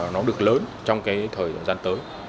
nó được lớn trong cái thời gian tới